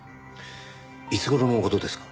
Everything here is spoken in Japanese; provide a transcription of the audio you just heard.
いつ頃の事ですか？